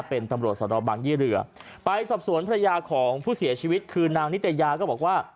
เป็นตำรวจสนบางยี่เรือไปสอบสวนภรรยาของผู้เสียชีวิตคือนางนิตยาก็บอกว่า